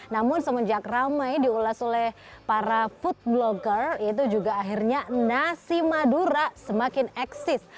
namun semenjak ramai diulas oleh para food blogger itu juga akhirnya nasi madura semakin eksis